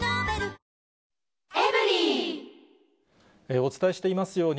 お伝えしていますように、